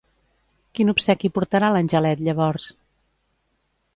Quin obsequi portarà l'angelet llavors?